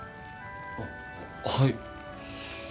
あっはい。